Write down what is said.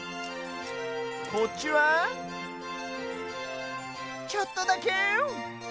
こっちはちょっとだけ！